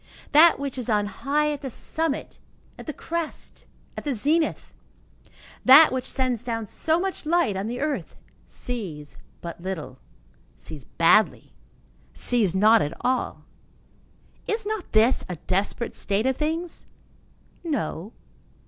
That which is on high at the summit, at the crest, at the zenith, that which sends down so much light on the earth, sees but little, sees badly, sees not at all? Is not this a desperate state of things? No.